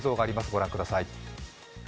ご覧ください。